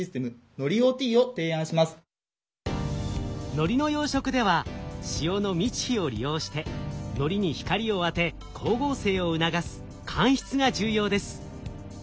海苔の養殖では潮の満ち干を利用して海苔に光を当て光合成を促す干出が重要です。